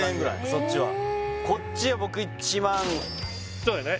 そっちはこっちは僕１万そうだね